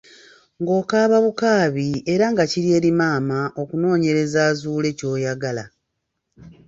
Ng'okaababukaabi era nga kiri eri maama okunoonyereza azuule ky'oyagala.